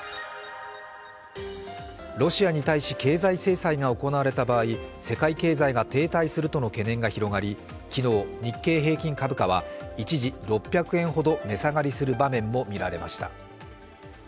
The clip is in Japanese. ロシアに対し、経済制裁が行われた場合世界経済が停滞するとの懸念が広がり、昨日、日経平均株価は一時６００円ほど値下がりする場面も見られました。